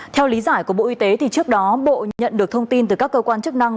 theo lý giải của bộ y tế thì trước đó bộ nhận được thông tin từ các cơ quan chức năng